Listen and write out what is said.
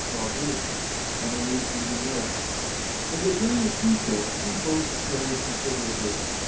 Laubeuf, a marine engineer. In their various details these boats vary considerably.